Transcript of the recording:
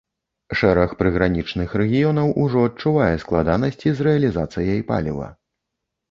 Шэраг прыгранічных рэгіёнаў ужо адчувае складанасці з рэалізацыяй паліва.